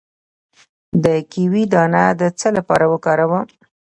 د کیوي دانه د څه لپاره وکاروم؟